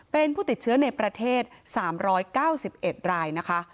เป็นผู้ติดเชื้อในประเทศ๓๙๑รายนะคะ